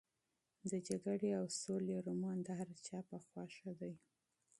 د جګړې او سولې رومان د هر چا په خوښه دی.